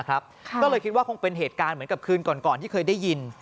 ก็เลยคิดว่าคงเป็นเหตุการณ์เหมือนกับคืนก่อนที่เคยได้ยิน